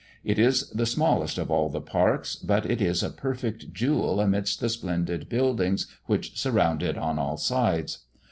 It is the smallest of all the parks; but it is a perfect jewel amidst the splendid buildings which surround it on all sides.